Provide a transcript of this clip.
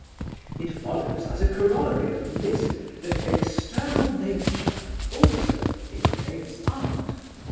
It follows, as a corollary from this, that external Nature also imitates Art.